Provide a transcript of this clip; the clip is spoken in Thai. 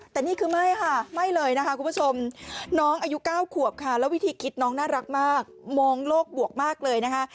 แต่นี่คือไม่ค่ะไม่เลยนะคะคุณผู้ชมน้องอายุ๙ขวบค่ะแล้ววิธีคิดน้องน่ารักมากมองโลกบวกมากเลยนะคะ